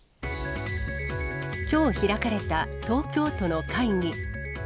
きょう開かれた、東京都の会議。